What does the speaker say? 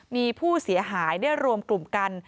มีผู้เสียหายได้รวมกลุ่มกัน